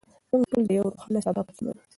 موږ ټول د یو روښانه سبا په تمه یو.